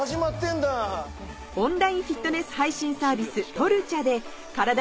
オンラインフィットネス配信サービス「トルチャ」でカラダ